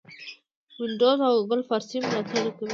وینډوز او ګوګل فارسي ملاتړ کوي.